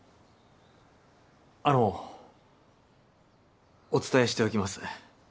あのお伝えしておきます